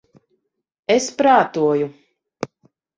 Es prātoju...